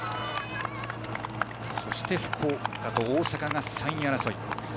そして福岡と大阪が３位争い。